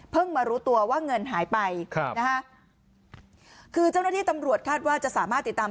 มารู้ตัวว่าเงินหายไปครับนะฮะคือเจ้าหน้าที่ตำรวจคาดว่าจะสามารถติดตาม